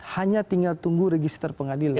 hanya tinggal tunggu register pengadilan